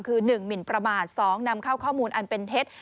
คือ๑หมินประมาท๒นำเข้าข้อมูลอันเป็นเท็จ